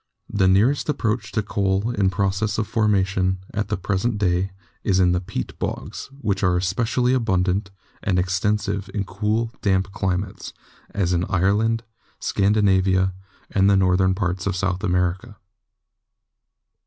The nearest approach to coal in process of formation at the present day is in the peat nogs, which are especially abundant and extensive in cool, damp climates, as in Ireland, Scandinavia, and the north ern parts of South America.